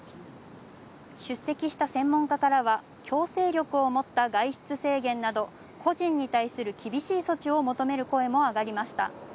出席した専門家からは、強制力を持った外出制限など、個人に対する厳しい措置を求める声も上がりました。